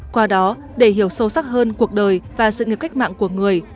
qua đó để hiểu sâu sắc hơn cuộc đời và sự nghiệp cách mạng của người